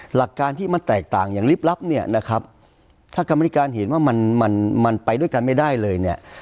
หลักการที่มันแตกต่างอย่างลิบลับเนี่ยนะครับถ้ากรรมนิการเห็นว่ามันมันไปด้วยกันไม่ได้เลยเนี่ย